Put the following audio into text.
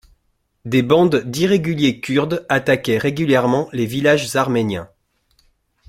Des bandes d'irréguliers kurdes attaquaient régulièrement les villages arméniens.